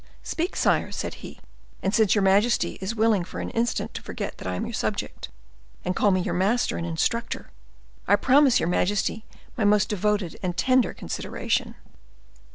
"Speak, sire," said he, "and since your majesty is willing for an instant to forget that I am your subject, and call me your master and instructor, I promise your majesty my most devoted and tender consideration."